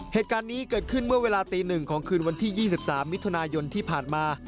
เหตุการณ์นี้เกิดขึ้นเมื่อเวลาตี๑ของคืนวันที่๒๓มิถุนายนที่ผ่านมา